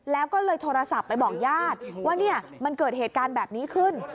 แล้วก็เลยโทรศัพท์ไปบอกญาติว่ามันเกิดเหตุการณ์แบบนี้ขึ้น